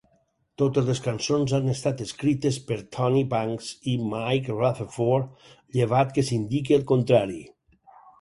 Totes les cançons han estat escrites per Tony Banks i Mike Rutherford, llevat que s'indiqui el contrari.